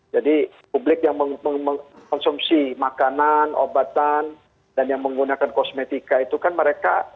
jadi publik yang mengkonsumsi makanan obatan dan yang menggunakan kosmetika itu kan mereka